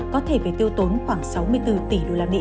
có thể phải tiêu tốn khoảng sáu mươi bốn tỷ usd